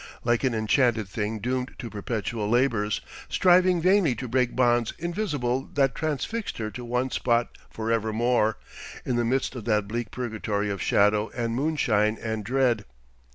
like an enchanted thing doomed to perpetual labours, striving vainly to break bonds invisible that transfixed her to one spot forever more, in the midst of that bleak purgatory of shadow and moonshine and dread....